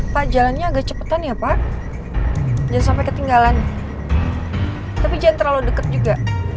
pak jalannya agak cepetan ya pak jangan sampai ketinggalan tapi jangan terlalu dekat juga